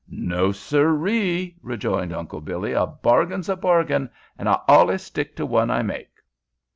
"No sir ree!" rejoined Uncle Billy. "A bargain's a bargain, an' I allus stick to one I make."